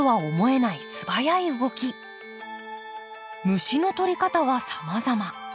虫の捕り方はさまざま。